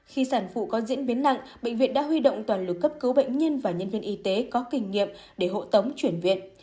khi sản phụ có diễn biến nặng bệnh viện đã huy động toàn lực cấp cứu bệnh nhân và nhân viên y tế có kinh nghiệm để hộ tống chuyển viện